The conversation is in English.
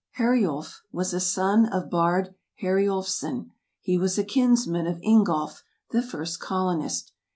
Heriulf was a son of Bard Heriulfsson. He was a kins man ol Ingolf, the first colonist.